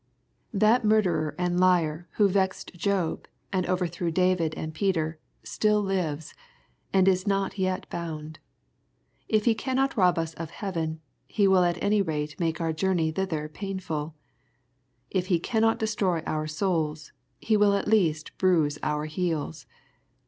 That mur derer and liar who vexed Job, and overthrew David and Peter, still lives, and is not yet bound. If he cannot lob us of heaven, he will at any rate make our journey thither painf uL K he cannot destroy our souls, he will at least bruise our heels.